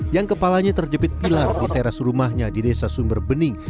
yang kepalanya terjepit pilar di teras rumahnya di desa sumber bening